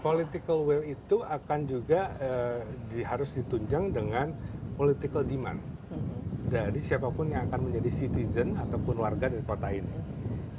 political will itu akan juga harus ditunjang dengan political demand dari siapapun yang akan menjadi citizen ataupun warga dari kota ini